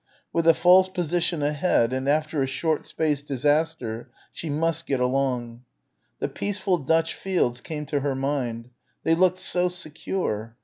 With a false position ahead and after a short space, disaster, she must get along. The peaceful Dutch fields came to her mind. They looked so secure.